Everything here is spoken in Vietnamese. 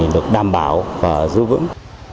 được đảm bảo và giữ vững